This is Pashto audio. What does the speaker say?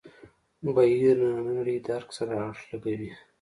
بهیر نننۍ نړۍ درک سره اړخ لګوي.